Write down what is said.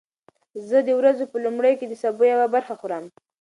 زه د ورځې په لومړیو کې د سبو یوه برخه خورم.